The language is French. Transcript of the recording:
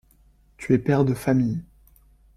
Tu es père de famille.